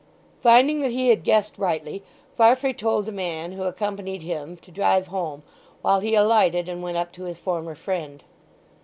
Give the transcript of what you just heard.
Finding that he had guessed rightly Farfrae told the man who accompanied him to drive home; while he alighted and went up to his former friend.